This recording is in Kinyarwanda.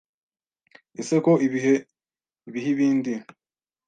Ese ko ibihe biha ibindi,